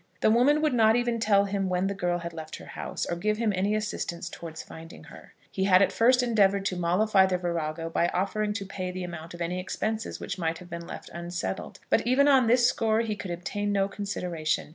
The woman would not even tell him when the girl had left her house, or give him any assistance towards finding her. He had at first endeavoured to mollify the virago by offering to pay the amount of any expenses which might have been left unsettled; but even on this score he could obtain no consideration.